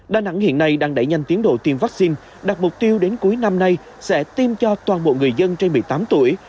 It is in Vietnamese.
đà nẵng hiện nay đang đẩy nhanh tiến độ tiêm vaccine đạt mục tiêu đến cuối năm nay sẽ tiêm cho toàn bộ người dân trên một mươi tám tuổi